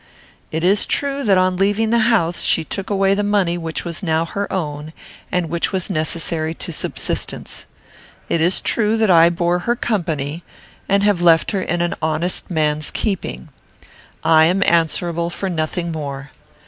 It is true that on leaving the house she took away the money which was now her own, and which was necessary to subsistence. It is true that I bore her company, and have left her in an honest man's keeping. I am answerable for nothing more.